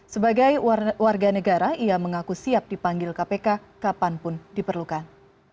sebagai warga negara ia mengaku siap dipanggil kpk kapanpun diperlukan